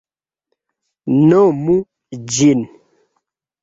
Nomu ĝin.